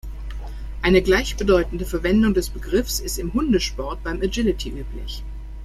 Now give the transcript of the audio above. Eine gleichbedeutende Verwendung des Begriffs ist im Hundesport beim Agility üblich.